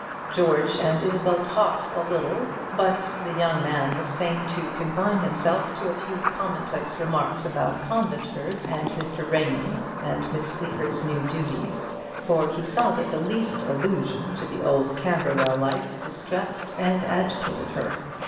George and Isabel talked a little; but the young man was fain to confine himself to a few commonplace remarks about Conventford, and Mr. Raymond, and Miss Sleaford's new duties; for he saw that the least allusion to the old Camberwell life distressed and agitated her.